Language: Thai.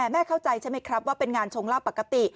เข้าใจใช่ไหมครับว่าเป็นงานชงลาบปกติ